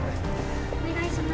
お願いします。